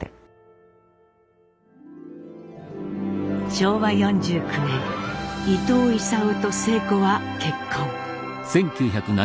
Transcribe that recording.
昭和４９年伊藤勲と晴子は結婚。